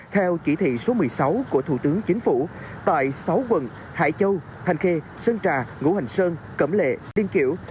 theo chỉ thị số một mươi sáu của thủ tướng chính phủ tại sáu quận hải châu thành khê sơn trà ngũ hành sơn cẩm lệ liên kiểu